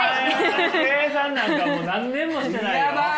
計算なんかもう何年もしてないよ。